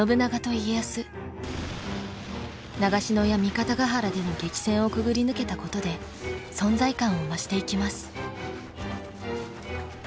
長篠や三方ヶ原での激戦をくぐり抜けたことで存在感を増していきます。